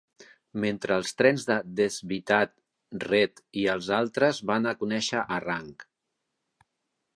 Mentre els trens de Deshwitat, Rett i els altres van a conèixer a rang.